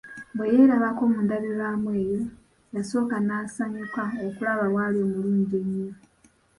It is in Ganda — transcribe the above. Bwe yeerabako mu ndabirwamu eyo, yasooka n'asanyuka okulaba bw'ali omulungi ennyo.